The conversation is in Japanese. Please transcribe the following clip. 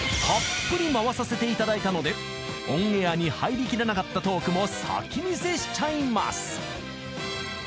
［たっぷり回させていただいたのでオンエアに入りきらなかったトークも先見せしちゃいます］